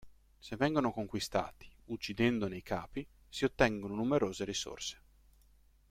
Se vengono conquistati, uccidendone i capi, si ottengono numerose risorse.